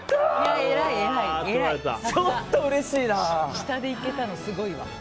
下でいけたの、すごいわ。